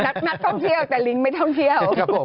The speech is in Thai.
นักท่องเที่ยวแต่ลิงไม่ท่องเที่ยว